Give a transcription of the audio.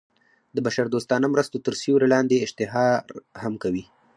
د بشر دوستانه مرستو تر سیورې لاندې اشتهار هم کوي.